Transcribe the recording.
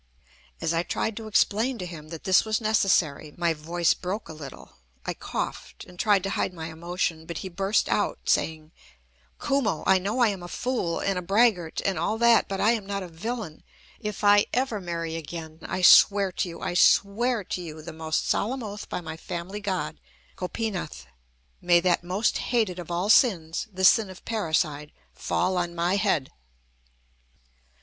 As I tried to explain to him that this was necessary, my voice broke a little. I coughed, and tried to hide my emotion, but he burst out saying: "Kumo, I know I am a fool, and a braggart, and all that, but I am not a villain! If ever I marry again, I swear to you I swear to you the most solemn oath by my family god, Gopinath may that most hated of all sins, the sin of parricide, fall on my head!"